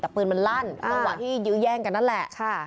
แต่ปืนมันลั่นจังหวะที่ยื้อแย่งกันนั่นแหละ